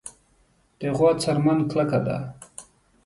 د غوا څرمن کلکه ده.